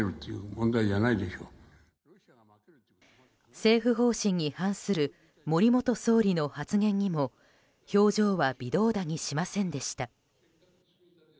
政府方針に反する森元総理の発言にも表情は微動だにしませんでした。